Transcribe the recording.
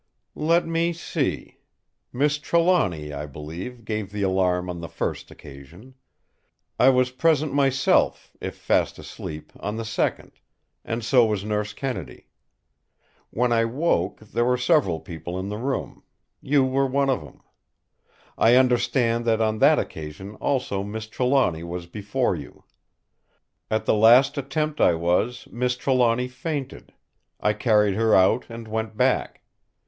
"Let me see! Miss Trelawny, I believe, gave the alarm on the first occasion. I was present myself, if fast asleep, on the second; and so was Nurse Kennedy. When I woke there were several people in the room; you were one of them. I understand that on that occasion also Miss Trelawny was before you. At the last attempt I was in the room when Miss Trelawny fainted. I carried her out and went back.